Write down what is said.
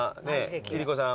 貴理子さん